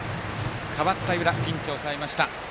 代わった湯田ピンチを抑えました。